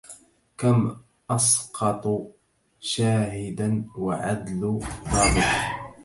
كم أسقط شاهدا وعدل ضابط